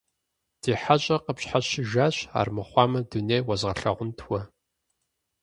Ди хьэщӀэр къыпщхьэщыжащ армыхъуамэ дуней уэзгъэлъагъунт уэ.